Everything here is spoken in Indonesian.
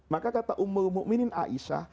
maka kata umur mu'minin aisyah